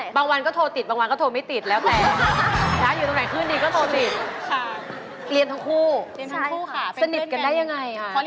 บางวันก็โทรติดบางวันก็โทรไม่ติดแล้วแต่